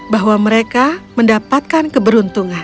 bahwa mereka mendapatkan keberuntungan